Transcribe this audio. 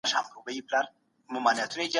تر کومه وخته به خلګ په دروغو غولیږي؟